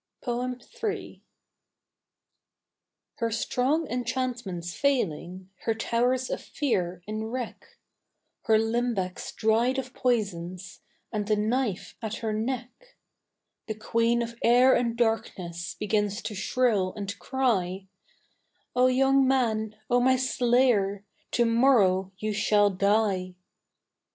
III. Her strong enchantments failing, Her towers of fear in wreck, Her limbecks dried of poisons And the knife at her neck, The Queen of air and darkness Begins to shrill and cry, 'O young man, O my slayer, To morrow you shall die.'